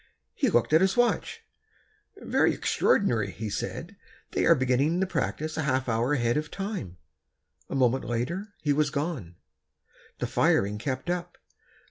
He looked at his watch. "Very extr'ord'nary," he said, "they are beginning the practice half an hour ahead of time." A moment later, he was gone. The firing kept up.